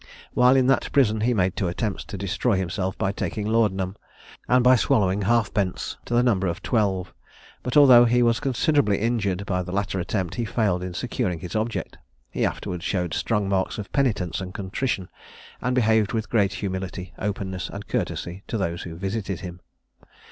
While in that prison he made two attempts to destroy himself by taking laudanum, and by swallowing halfpence to the number of twelve; but although he was considerably injured by the latter attempt, he failed in securing his object. He afterwards showed strong marks of penitence and contrition, and behaved with great humility, openness, and courtesy, to those who visited him.